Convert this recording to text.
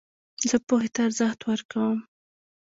زه پوهي ته ارزښت ورکوم.